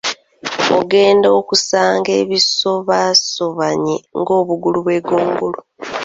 Ogenda okusanga ebisobaasobanye ng’obugulu bw’eggongolo.